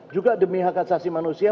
juga demi hak asasi manusia